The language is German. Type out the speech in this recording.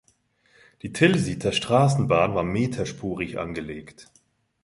Die Tilsiter Straßenbahn war meterspurig angelegt.